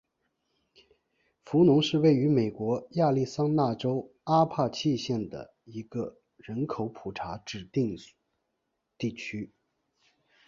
弗农是位于美国亚利桑那州阿帕契县的一个人口普查指定地区。